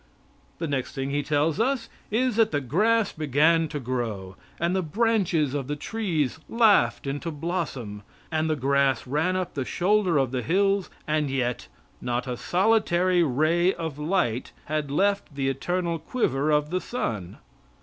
The next thing he tells us is that the grass began to grow; and the branches of the trees laughed into blossom, and the grass ran up the shoulder of the hills, and yet not a solitary ray of light had left the eternal quiver of the sun.